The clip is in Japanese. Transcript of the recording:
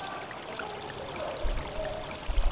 本当に、おつまみを作るぐらいなんですけど。